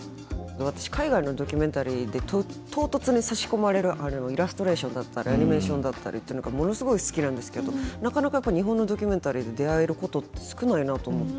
私海外のドキュメンタリーで唐突に差し込まれるイラストレーションだったりアニメーションだったりっていうのがものすごい好きなんですけどなかなか日本のドキュメンタリーで出会えることって少ないなと思って。